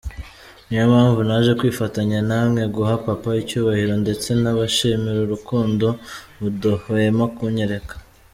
Niyo mpamvu naje kwifatanya na mwe guha papa icyubahiro ndetse nabashimira urukundo mudahwema kunyereka.